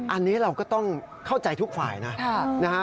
อันนี้เราก็ต้องเข้าใจทุกฝ่ายนะ